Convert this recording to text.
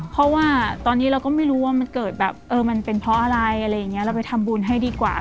เพราะว่าตอนนี้เราก็ไม่รู้ว่ามันเกิดแบบเออมันเป็นเพราะอะไรอะไรอย่างนี้เราไปทำบุญให้ดีกว่า